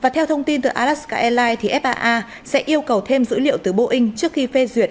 theo thông tin từ araska airlines faa sẽ yêu cầu thêm dữ liệu từ boeing trước khi phê duyệt